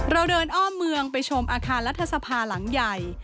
เราเดินอ้อมเมืองไปชมอาคารรัฐสภาหลังใหญ่